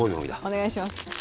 お願いします。